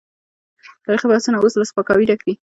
تاريخي بحثونه اوس له سپکاوي ډک دي.